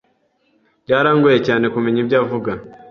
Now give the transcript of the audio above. Byarangoye cyane kumenya ibyo avuga.